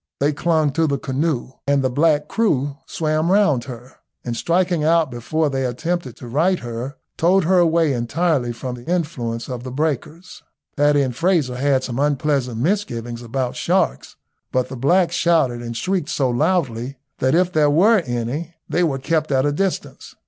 They clung to the canoe, and the black crew swam round her, and striking out before they attempted to right her, towed her away entirely from the influence of the breakers. Paddy and Frazer had some unpleasant misgivings about sharks, but the blacks shouted and shrieked so loudly, that if there were any they were kept at a distance.